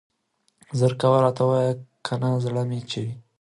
زر کوه راته ووايه کنه زړه مې چوي.